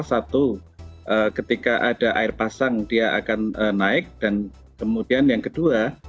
satu ketika ada air pasang dia akan naik dan kemudian yang kedua